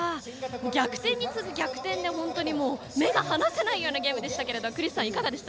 逆転に次ぐ逆転で本当に目が離せないゲームでしたがクリスさん、いかがでした？